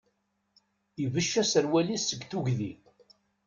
Ibecc aserwal-is seg tugdi.